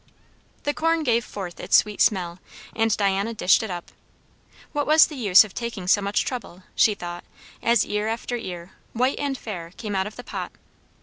The corn gave forth its sweet smell, and Diana dished it up. What was the use of taking so much trouble, she thought, as ear after ear, white and fair, came out of the pot?